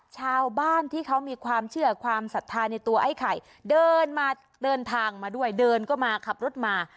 ชาวบ้านที่เขามีความเชื่อความศรัทธาในตัวไอ้ไข่เดินมาเดินทางมาด้วยเดินก็มาขับรถมา